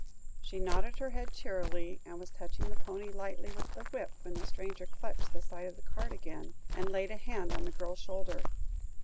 She nodded her head cheerily, and was touching the pony lightly with the whip, when the stranger clutched the side of the cart again, and laid a hand on the girl's shoulder.